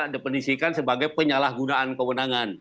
dependisikan sebagai penyalahgunaan kewenangan